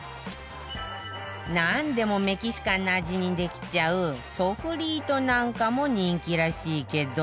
なんでもメキシカンな味にできちゃうソフリートなんかも人気らしいけど